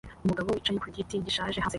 Umugabo wicaye ku giti gishaje hanze